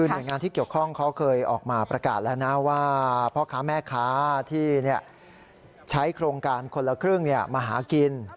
หน่วยงานที่เกี่ยวข้องเขาเคยออกมาประกาศแล้วนะว่าพ่อค้าแม่ค้าที่ใช้โครงการคนละครึ่งมาหากิน